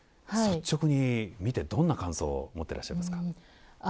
率直に見てどんな感想を持ってらっしゃいますか？